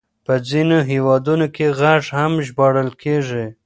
په ځينو هېوادونو کې غږ هم ژباړل کېږي.